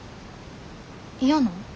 嫌なん？